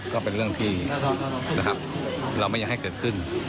ก็เป็นเรื่องที่เราไม่อยากให้เกิดขึ้น